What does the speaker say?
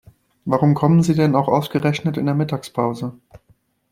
Warum kommen Sie denn auch ausgerechnet in der Mittagspause?